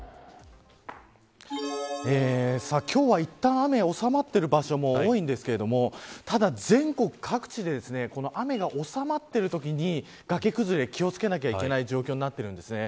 今日はいったん雨は収まっている場所も多いんですけれどもただ、全国各地で雨が収まっているときに崖崩れに気を付けないといけない状況になってるんですね。